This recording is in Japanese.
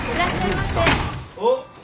おっ！